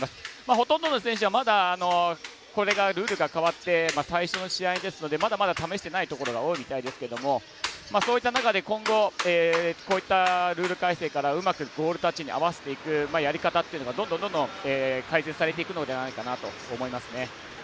ほとんどの選手はまだルールが変わって最初の試合ですのでまだまだ試してないところが多いみたいですけどそういった中で今後こういったルール改正からうまくゴールタッチに合わせていくやり方というのがどんどん改正されていくのではないかなと思いますね。